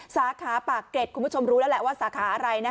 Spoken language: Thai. สาขาปากเกร็ดคุณผู้ชมรู้แล้วแหละว่าสาขาอะไร